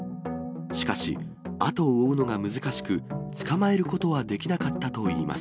しかし、後を追うのが難しく、捕まえることはできなかったといいます。